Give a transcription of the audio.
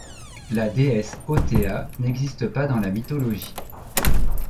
La déesse Othéa n’existe pas dans la mythologie.